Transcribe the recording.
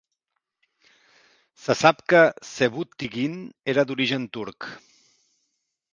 Se sap que Sebüktigin era d'origen turc.